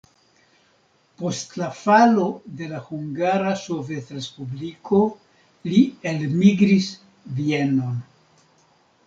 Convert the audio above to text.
Post la falo de la Hungara Sovetrespubliko li elmigris Vienon.